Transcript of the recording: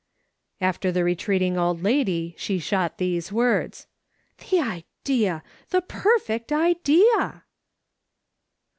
After the retreating old lady she shot these words :" The idea ! the perfect idea